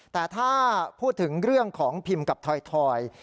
แต่ถ้าพูดถึงเรื่องของพิมพ์กับถอย